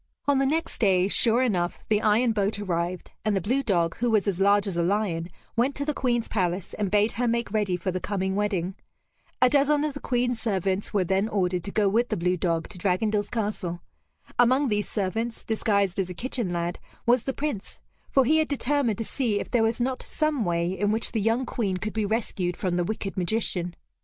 On the next day, sure enough, the iron boat arrived, and the blue dog, who was as large as a lion, went to the Queen's palace, and bade her make ready for the coming wedding. A dozen of the Queen's servants were then ordered to go with the blue dog to Dragondel's castle. Among these servants, disguised as a kitchen lad, was the Prince; for he had determined to see if there was not some way in which the young Queen could be rescued from the wicked magician.